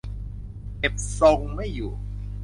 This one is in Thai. เก็บทรงไม่อยู่